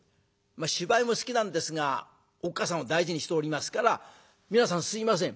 芝居も好きなんですがおっ母さんを大事にしておりますから「皆さんすいません。